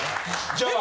じゃあ。